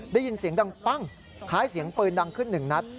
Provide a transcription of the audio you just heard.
ได้ยินเสียงดังปั้งคล้ายเสียงปืนดังขึ้นหนึ่งนัด